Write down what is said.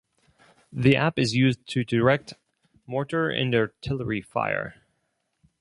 The app is used to direct mortar and artillery fire.